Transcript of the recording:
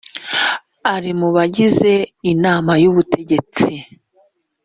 ari mu bagize inama y ubutegetsi